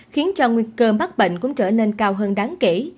khiến cho nguyên cơ bắt bệnh cũng trở nên cao hơn đáng kể